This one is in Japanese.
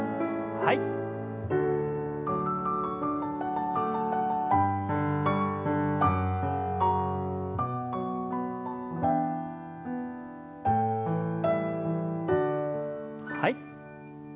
はい。